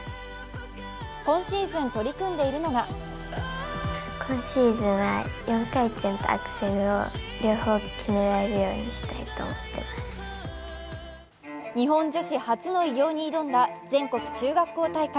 今シーズン取り組んでいるのが日本女子初の偉業に挑んだ全国中学校大会。